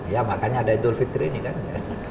ya makanya ada idul fitri ini kan ya